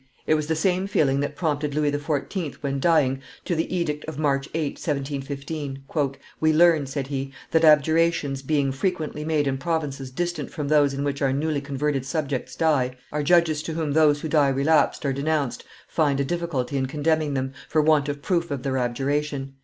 It was the same feeling that prompted Louis XIV., when dying, to the edict of March 8, 1715. "We learn," said he, "that, abjurations being frequently made in provinces distant from those in which our newly converted subjects die, our judges to whom those who die relapsed are denounced find a difficulty in condemning them, for want of proof of their abjuration.